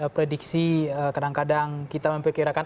prediksi kadang kadang kita memperkirakan